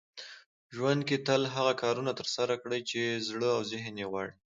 ژوند کې تل هغه کارونه ترسره کړئ چې زړه او ذهن يې غواړي .